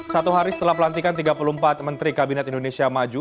satu hari setelah pelantikan tiga puluh empat menteri kabinet indonesia maju